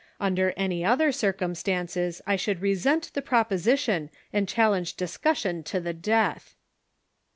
; under any other circumstances, I should resent the proposition and challenge discussion to the death